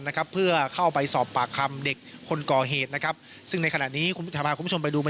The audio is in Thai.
โดยเบอร์รวมสริบส่วนชั้น๒